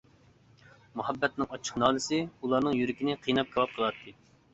مۇھەببەتنىڭ ئاچچىق نالىسى، ئۇلارنىڭ يۈرىكىنى قىيناپ كاۋاپ قىلاتتى.